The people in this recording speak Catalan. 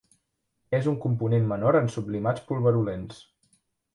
És un component menor en sublimats pulverulents.